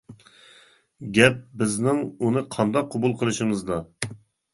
گەپ بىزنىڭ ئۇنى قانداق قوبۇل قىلىشىمىزدا.